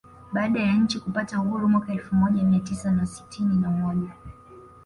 Baada ya nchi kupata Uhuru mwaka elfu moja mia tisa na sitini na moja